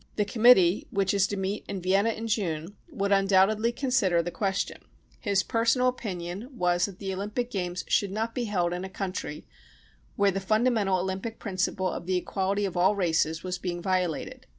The Committee, which is to meet in Vienna in June, would undoubtedly consider the question ; his personal opinion was that the Olympic Games should not be held in a country where the fundamental Olympic principle of the equality of all races was being violated.